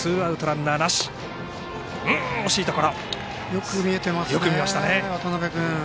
よく見えてますね、渡部君。